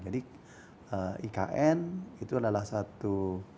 jadi ikn itu adalah satu